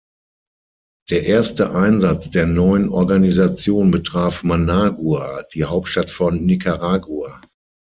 Der erste Einsatz der neuen Organisation betraf Managua, die Hauptstadt von Nicaragua.